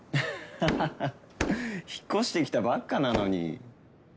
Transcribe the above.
ハハハッ引っ越してきたばっかなのに。